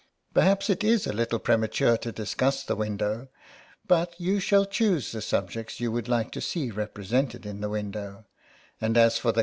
" Perhaps it is a little premature to discuss the window, but you shall choose the subjects you would like to see represented in the window, and as for the 92 SOME PARISHIONERS.